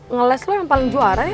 ngeles lo yang paling juara ya